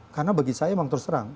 karena bagi saya memang terus terang